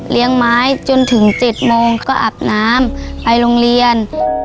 ไม้จนถึง๗โมงก็อาบน้ำไปโรงเรียน